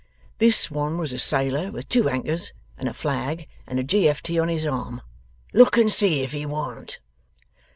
This one was a sailor, with two anchors and a flag and G. F. T. on his arm. Look and see if he warn't.